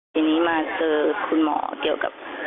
ทีนี้มาเจอคุณหมอเกี่ยวกับ